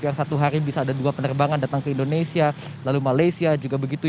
yang satu hari bisa ada dua penerbangan datang ke indonesia lalu malaysia juga begitu